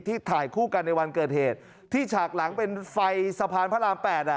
ถ่ายคู่กันในวันเกิดเหตุที่ฉากหลังเป็นไฟสะพานพระราม๘อ่ะ